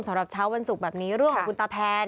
สำหรับเช้าวันศุกร์แบบนี้เรื่องของคุณตาแพน